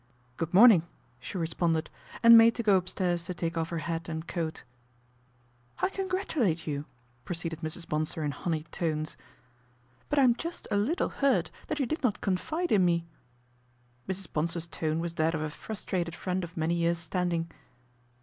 " Good morning," she responded, and made to go upstairs to take off her hat and coat. " I congratulate you," proceeded Mrs. Bonsor in honeyed tones ;" but I'm just a little hurt that you did not confide in me." Mrs. Bonsor's tone was that of a trusted friend of many years' standing.